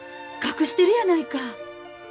隠してるやないか。